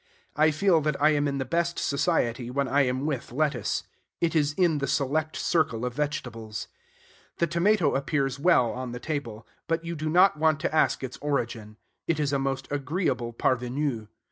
I feel that I am in the best society when I am with lettuce. It is in the select circle of vegetables. The tomato appears well on the table; but you do not want to ask its origin. It is a most agreeable parvenu.